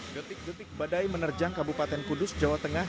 detik detik badai menerjang kabupaten kudus jawa tengah